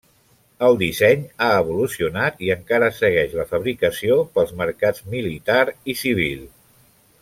El disseny ha evolucionat i encara segueix la fabricació pels mercats militar i civil.